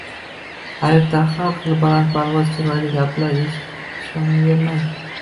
Hayotda har xil balandparvoz chiroyli gaplarga ishonavermang